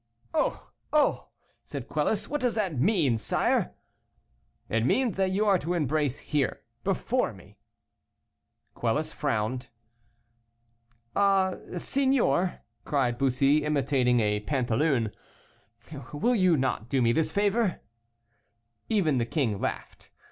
"Oh! Oh!" said Quelus, "what does that mean, sire?" "It means that you are to embrace here, before me." Quelus frowned. "Ah, signor," cried Bussy, imitating a pantaloon, "will you not do me this favor?" Even the king laughed.